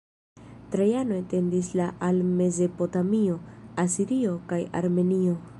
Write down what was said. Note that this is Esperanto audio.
Trajano etendis la al Mezopotamio, Asirio kaj Armenio.